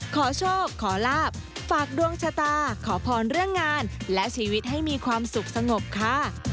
ขอโชคขอลาบฝากดวงชะตาขอพรเรื่องงานและชีวิตให้มีความสุขสงบค่ะ